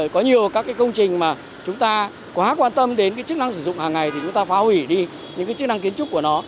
có nhiều các công trình mà chúng ta quá quan tâm đến cái chức năng sử dụng hàng ngày thì chúng ta phá hủy đi những cái chức năng kiến trúc của nó